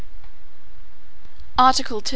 Article II.